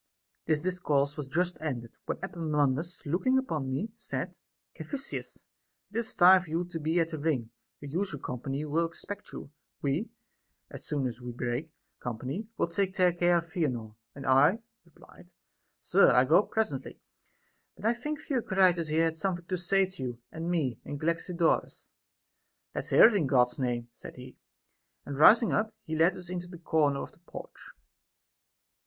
25. This discourse was just ended, when Epaminondas looking upon me, said : Caphisias, it is time for you to be at the ring, your usual company will expect you ; we, as soon as we break company, will take care of Theanor. And I replied : Sir, I'll go presently, but I think Theocritus here hath something to say to you and me and Galaxidorus. Let's hear it in God's name, said he ; and rising up, he led us into a corner of the porch.